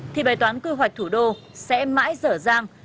thì bài toán quy hoạch thủ đô sẽ mãi rở ràng